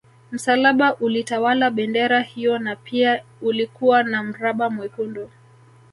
Msalaba ulitawala bendera hiyo na pia ulikuwa na mraba mwekundu